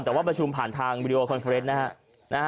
แต่ว่าประชุมผ่านทางวิดีโอคอนเฟอร์เนสนะฮะ